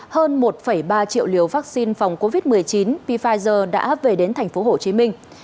hơn một ba triệu liều vaccine phòng covid một mươi chín pfizer đã về đến thành phố hồ chí minh